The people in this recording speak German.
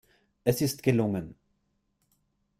Es ist gelungen.